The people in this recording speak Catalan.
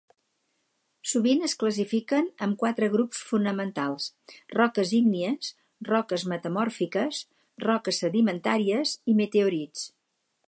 Sovint es classifiquen en quatre grups fonamentals: roques ígnies, roques metamòrfiques, roques sedimentàries i meteorits.